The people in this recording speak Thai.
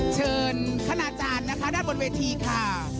เชิญคณาจารย์นะคะด้านบนเวทีค่ะ